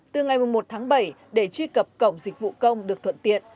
từ ngày một mươi một tháng bảy để truy cập cổng dịch vụ công được thuận tiện